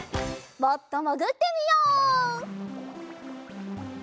もっともぐってみよう。